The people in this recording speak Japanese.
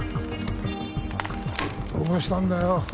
どうしたんだよ？